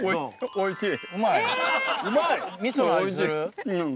おいしい。